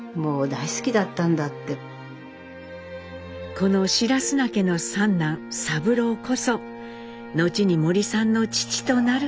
この白砂家の三男三郎こそ後に森さんの父となる人でした。